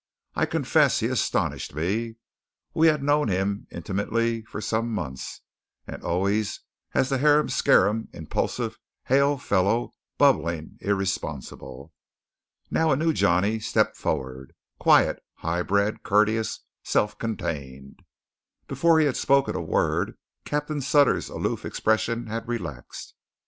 I confess he astonished me. We had known him intimately for some months, and always as the harum scarum, impulsive, hail fellow, bubbling, irresponsible. Now a new Johnny stepped forward, quiet, high bred, courteous, self contained. Before he had spoken a word, Captain Sutter's aloof expression had relaxed.